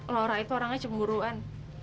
laura itu orangnya cemburuan